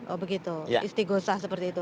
oh begitu istighosah seperti itu